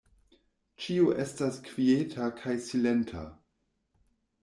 Ĉio estas kvieta kaj silenta.